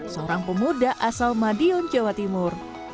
seorang pemuda asal madiun jawa timur